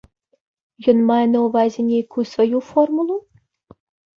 Ён мае на ўвазе нейкую сваю формулу?